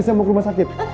saya mau ke rumah sakit